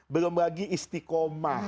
belum lagi istikomah